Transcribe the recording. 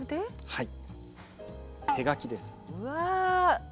はい。